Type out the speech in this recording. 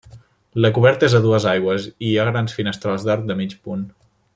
La coberta és a dues aigües i hi ha grans finestrals d'arc de mig punt.